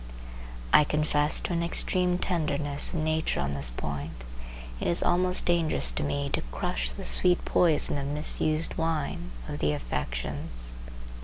I confess to an extreme tenderness of nature on this point. It is almost dangerous to me to "crush the sweet poison of misused wine" of the affections.